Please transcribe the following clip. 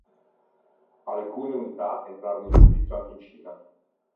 Alcune unità entrarono in servizio anche in Cina.